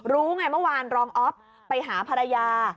รู้ไงเมื่อวานรองอ๊อฟไปหาภรรยา